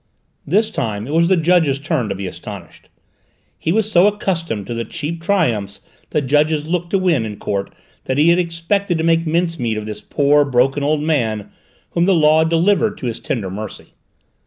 This time it was the judge's turn to be astonished. He was so accustomed to the cheap triumphs that judges look to win in court that he had expected to make mincemeat of this poor, broken old man whom the law had delivered to his tender mercy.